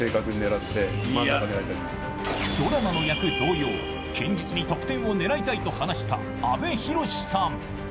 ドラマの役同様堅実に得点を狙いたいと話した阿部寛さん。